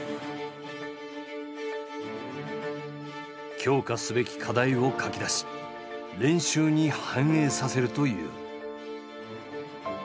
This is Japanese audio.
強化すべき課題を書き出し練習に反映させるという。